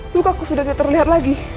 luka aku sudah tidak terlihat lagi